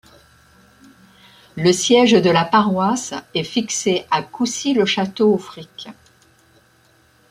Le siège de la paroisse est fixé à Coucy-le-Château-Auffrique.